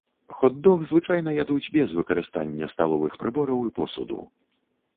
Хот-дог звычайна ядуць без выкарыстання сталовых прыбораў і посуду.